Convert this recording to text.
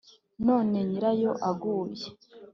none nyirayo aguye